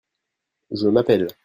Je m'appelle…